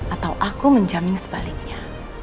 atau aku menjamin sebaliknya